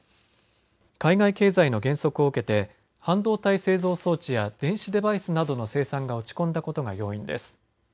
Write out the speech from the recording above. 海外経済の減速を受けて半導体製造装置や電子デバイスなどの生産が落ち込んだことが要因です。